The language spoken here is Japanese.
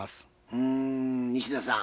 うん西田さん